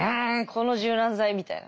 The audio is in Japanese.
「この柔軟剤」みたいなね。